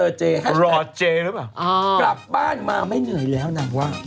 รอดเจ๊หรือเปล่าอ้าวกลับบ้านมาไม่เหนื่อยแล้วน่ะว่า